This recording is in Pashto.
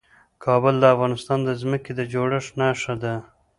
کابل د افغانستان د ځمکې د جوړښت نښه ده.